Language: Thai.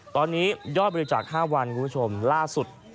ตอนนี้ยอดบริจาค๕วันคุณผู้ชมล่าสุด